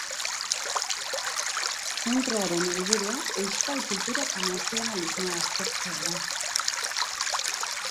Zentroaren helburua euskal kultura eta nazionalismoa aztertzea da.